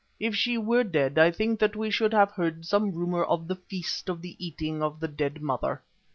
If she were dead I think that we should have heard some rumour of the Feast of the eating of the dead Mother."